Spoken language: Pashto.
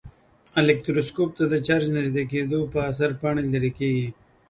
الکتروسکوپ ته د چارج نژدې کېدو په اثر پاڼې لیري کیږي.